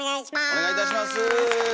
お願いいたします。